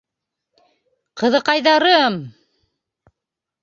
Ҡыҙыҡайҙарым!